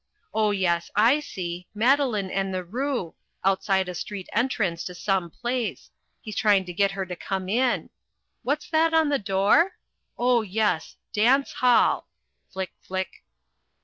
Oh, yes, I see Madeline and the Roo outside a street entrance to some place he's trying to get her to come in what's that on the door? Oh, yes, DANCE HALL Flick, flick!